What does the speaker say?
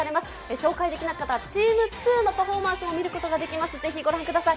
紹介できなかったチーム２のパフォーマンスも見ることができます、ぜひご覧ください。